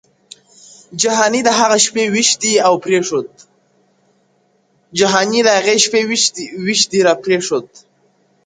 • جهاني د هغي شپې وېش دي را پرېښود,